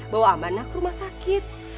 bawa amanah ke rumah sakit